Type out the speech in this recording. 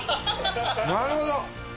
なるほど。